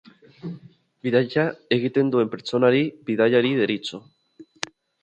Bidaia egiten duen pertsonari bidaiari deritzo.